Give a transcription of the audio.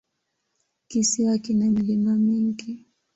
Kisiwa kina milima mingi.